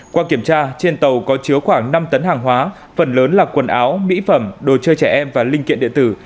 qua kiểm tra trên tàu có chứa khoảng năm tấn hàng hóa phần lớn là quần áo mỹ phẩm đồ chơi trẻ em và linh kiện điện tử